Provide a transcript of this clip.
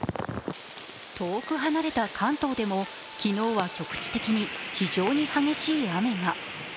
遠く離れた関東でも昨日は局地的に非常に激しい雨が。